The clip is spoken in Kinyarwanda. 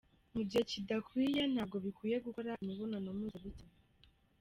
Mu gihe kidakwiye ntabwo bikwiye gukora imibonano mpuzabitsina.